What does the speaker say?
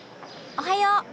おはよう！